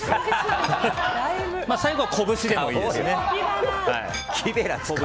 最後は拳でもいいですね。